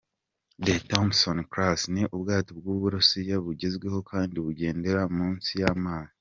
The Typhoon Class : Ni ubwato bw’u Burusiya bugezwego kandi bugendera munsi y’amazi.